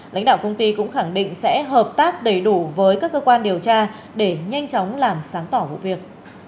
lãnh đạo công ty cũng khẳng định sẽ hợp tác đầy đủ với các cơ quan điều tra để nhanh chóng làm sáng tỏ vụ việc